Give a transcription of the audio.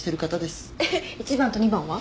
えっ１番と２番は？